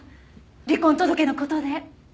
離婚届の事で。